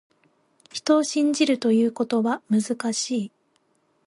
人を信じるということは、難しい。